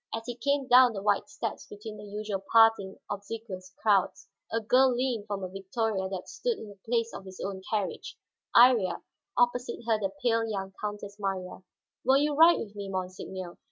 As he came down the wide steps between the usual parting, obsequious crowds, a girl leaned from a victoria that stood in the place of his own carriage, Iría, opposite her the pale young Countess Marya. "Will you ride with me, monseigneur?"